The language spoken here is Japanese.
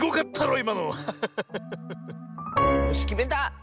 よしきめた！